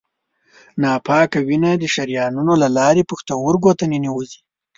ناپاکه وینه د شریانونو له لارې پښتورګو ته ننوزي.